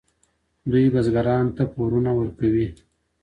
دوی بزګرانو ته پورونه ورکوي.